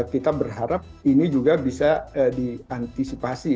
kita berharap ini juga bisa diantisipasi